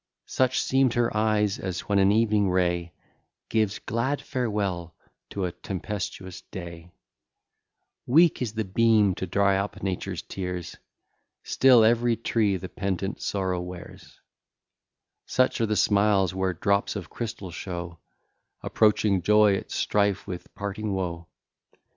Such seem'd her eyes, as when an evening ray Gives glad farewell to a tempestuous day; Weak is the beam to dry up Nature's tears, Still every tree the pendent sorrow wears; Such are the smiles where drops of crystal show Approaching joy at strife with parting woe.